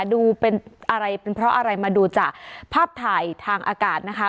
ดูเป็นอะไรเป็นเพราะอะไรมาดูจากภาพถ่ายทางอากาศนะคะ